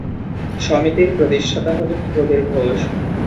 সমিতির প্রতিষ্ঠাতা হলেন প্রবীর ঘোষ।